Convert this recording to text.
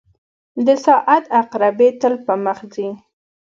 • د ساعت عقربې تل پر مخ ځي.